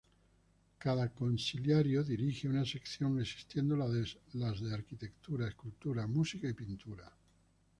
Cada Consiliario dirige una sección, existiendo las de arquitectura, escultura, música y pintura.